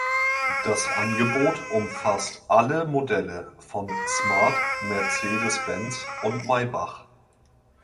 Das Angebot umfasst alle Modelle von smart, Mercedes-Benz und Maybach.